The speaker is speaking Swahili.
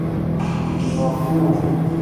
ni wakuu"